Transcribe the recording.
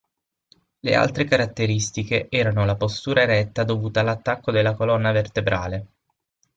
Le altre caratteristiche erano la postura eretta dovuta all'attacco della colonna vertebrale.